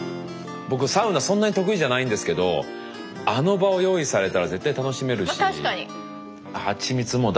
僕サウナそんなに得意じゃないんですけどあの場を用意されたら絶対楽しめるし。